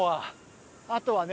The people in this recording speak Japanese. あとはね。